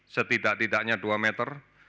setidak tidaknya dua meter